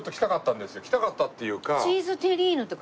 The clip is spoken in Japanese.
来たかったっていうかこれね